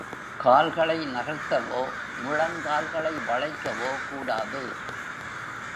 கால்களை நகர்த்தவோ, முழங்கால்களை வளைக்கவோ கூடாது.